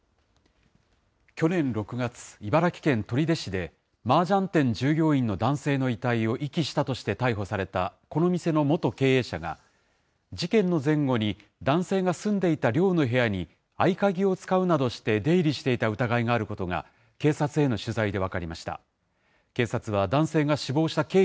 去年６月、茨城県取手市で、マージャン店従業員の男性の遺体を遺棄したとして逮捕された、この店の元経営者が、事件の前後に、男性が住んでいた寮の部屋に、合鍵を使うなどして出入りしていた疑いがあることが、警察への取材で分かりました。